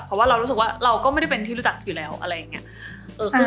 เพราะว่าเรารู้สึกว่าเราก็ไม่ได้เป็นที่รู้จักอยู่แล้วอะไรอย่างนี้